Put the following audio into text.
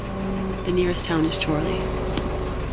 The nearest town is Chorley.